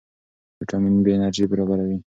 ویټامین بي انرژي برابروي.